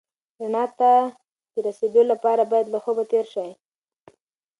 رڼا ته د رسېدو لپاره باید له خوبه تېر شې.